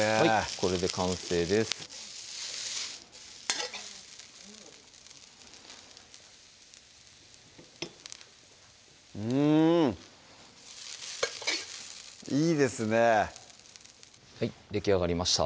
これで完成ですうんいいですねはいできあがりました